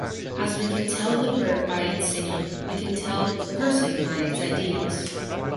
As we can tell the bird by its singing, we can tell the person by its ideas.